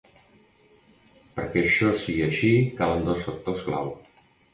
Perquè això sigui així calen dos factors clau.